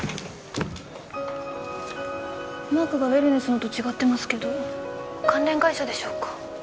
マークがウェルネスのと違ってますけど関連会社でしょうか？